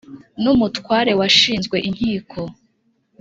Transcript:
n’umutware washinzwe inkiko